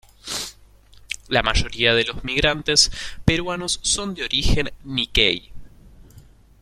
La mayoría de los migrantes peruanos son de origen "nikkei".